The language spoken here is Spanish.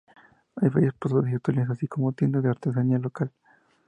Hay varias posadas y hoteles, así como tiendas de artesanía local.